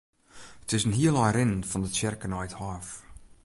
It is in hiel ein rinnen fan de tsjerke nei it hôf.